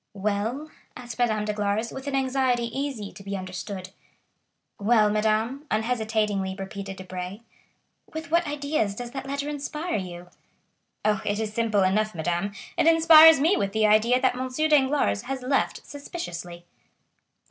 "Well?" asked Madame Danglars, with an anxiety easy to be understood. "Well, madame?" unhesitatingly repeated Debray. "With what ideas does that letter inspire you?" "Oh, it is simple enough, madame; it inspires me with the idea that M. Danglars has left suspiciously."